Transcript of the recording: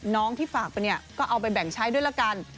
น้องที่ฝากมาก็เอาไปแบ่งใช้ด้วยกัน